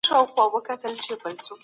د ترافيکو ګڼه ګوڼه بايد کنټرول سي.